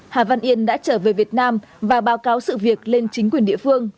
hà văn yên đã trở về việt nam và báo cáo sự việc lên chính quyền địa phương